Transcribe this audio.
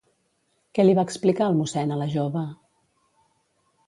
Què li va explicar el mossèn a la jove?